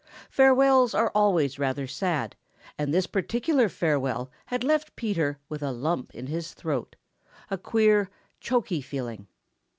Farewells are always rather sad, and this particular farewell had left Peter with a lump in his throat, a queer, choky feeling.